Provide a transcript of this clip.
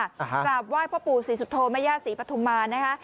กราบไหว้พ่อปู่ศรีสุโธแม่ย่าศรีปฐุมานะคะ